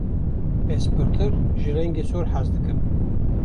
Ez pirtir ji rengê sor hez dikim.